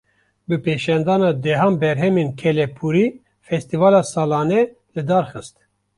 Bi pêşandana dehan berhemên kelepûrî, festîvala salane li dar xist